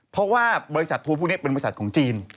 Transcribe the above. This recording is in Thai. เพราะว่าบริษัททัวร์พวกนี้เป็นบริษัทของจีน